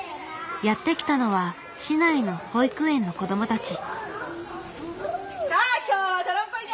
やって来たのは市内の保育園の子どもたち。